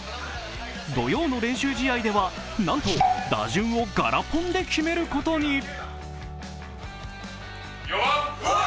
土曜の練習試合では、なんと打順をガラポンで決めることに。